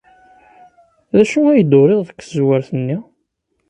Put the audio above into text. D acu ay d-uriɣ deg tezzwert-nni?